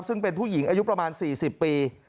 ซึ่งเป็นผู้หญิงอายุประมาณ๔๐ปี